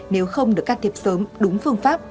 nếu không được cắt thiệp sớm đúng phương pháp